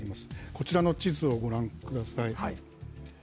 こちらの地図をご覧ください。